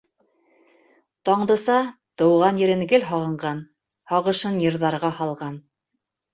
Таңдыса тыуған ерен гел һағынған, һағышын йырҙарға һалған.